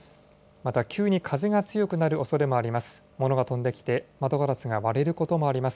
また急に風が強くなるおそれもあります。